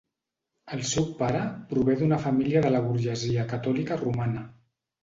El seu pare prové d'una família de la burgesia catòlica romana.